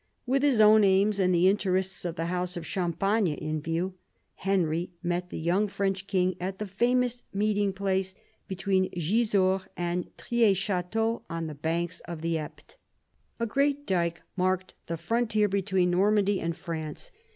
With his own aims, and the interests of the house of Champagne in view, Henry met the young French king at the famous meeting place, between Grisors and Trie Chateau, on the banks of the Epte. A great dyke marked the frontier between Normandy and France.